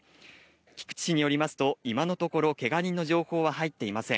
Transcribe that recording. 菊池市によりますと、今のところ、けが人の情報は入っていません。